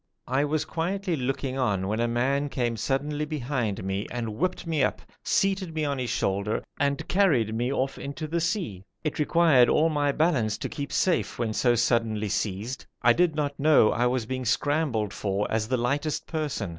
I was quietly looking on when a man came suddenly behind me and whipped me up, seated me on his shoulder and carried me off into the sea. It required all my balance to keep safe when so suddenly seized. I did not know I was being scrambled for as the lightest person.